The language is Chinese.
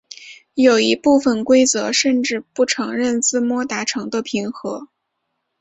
有一部分规则甚至不承认自摸达成的平和。